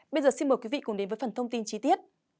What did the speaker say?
bây giờ xin mời quý vị cùng đến với phần thông tin chi tiết